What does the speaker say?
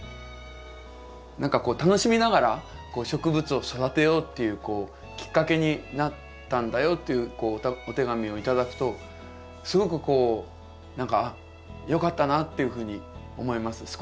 何かこう楽しみながら植物を育てようっていうきっかけになったんだよっていうお手紙を頂くとすごくこう何か「あっよかったな」っていうふうに思います。